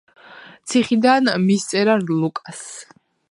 ციხიდან მისწერა ლუკას.